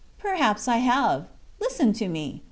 "Perhaps I have. Listen to me!